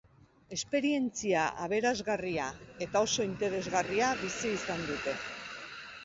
Esperientzia aberasgarria eta oso interesgarria bizi izan dute.